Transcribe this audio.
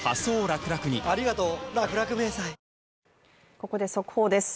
ここで速報です。